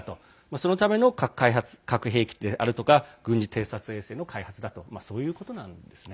そのための核開発核兵器であるとか軍事偵察衛星の開発だとそういうことなんですね。